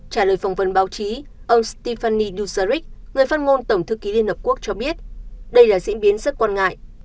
trả lời phỏng vấn báo chí ông stepheny duzaric người phát ngôn tổng thư ký liên hợp quốc cho biết đây là diễn biến rất quan ngại